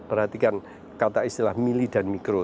perhatikan kata istilah mili dan mikro